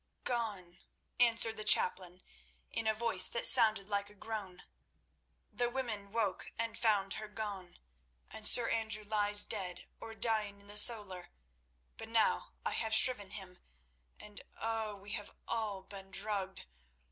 "Gone," answered the chaplain in a voice that sounded like a groan. "The women woke and found her gone, and Sir Andrew lies dead or dying in the solar—but now I have shriven him—and oh! we have all been drugged.